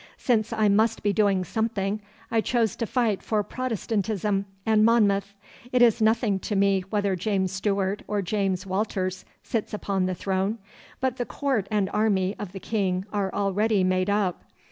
Since I must be doing something, I choose to fight for Protestantism and Monmouth. It is nothing to me whether James Stuart or James Walters sits upon the throne, but the court and army of the King are already made up.